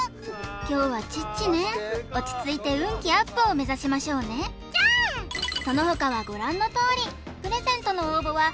今日はチッチね落ち着いて運気アップを目指しましょうねその他はご覧のとおりプレゼントの応募は＃